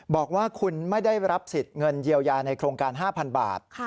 บอกว่าคุณไม่ได้รับสิทธิ์เงินเยียวยาในโครงการ๕๐๐๐บาท